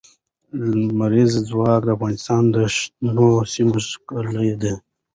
لمریز ځواک د افغانستان د شنو سیمو ښکلا ده.